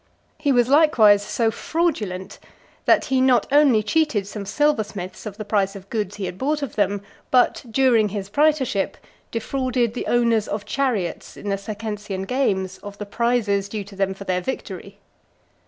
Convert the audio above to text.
He was likewise so fraudulent, that he not only cheated some silversmiths of the price of goods he had bought of them, but, during his praetorship, defrauded the owners of chariots in the Circensian games of the prizes due to them for their victory.